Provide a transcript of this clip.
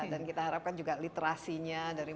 dan kita harapkan juga literasinya dari